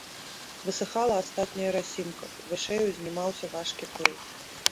Высыхала астатняя расінка, вышэй узнімаўся важкі пыл.